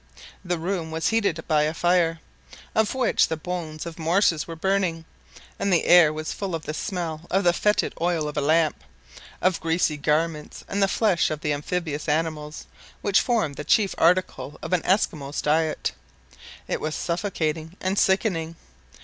The room was heated by a fire, on which the bones of morses were burning; and the air was full of the smell of the fetid oil of a lamp, of greasy garments, and the flesh of the amphibious animals which form the chief article of an Esquimaux's diet. It was suffocating and sickening!